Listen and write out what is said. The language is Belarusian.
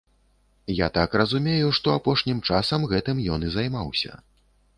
Я так разумею, што апошнім часам гэтым ён і займаўся.